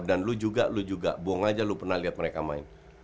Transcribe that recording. dan lu juga lu juga bong aja lu pernah lihat pemainnya